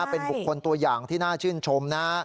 เป็นบุคคลตัวอย่างที่น่าชื่นชมนะ